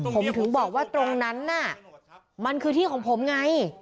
ผมถึงบอกว่าตรงนั้นน่ะมันคือที่ของผมไง